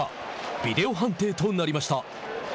ビデオ判定となりました。